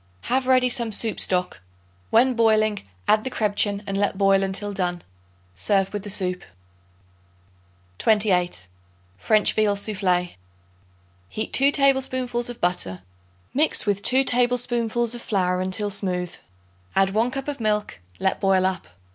Have ready some soup stock; when boiling, add the crebchen and let boil until done. Serve with the soup. 28. French Veal Soufflé. Heat 2 tablespoonfuls of butter. Mix with 2 tablespoonfuls of flour until smooth; add 1 cup of milk; let boil up.